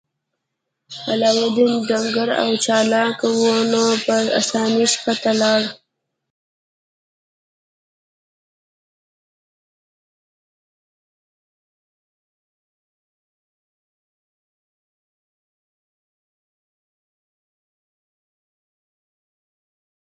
د سیاسي اسلام پلویانو ډلې غلطه لاره نیولې ده.